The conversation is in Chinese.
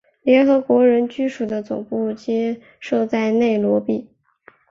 联合国人居署的总部皆设在内罗毕。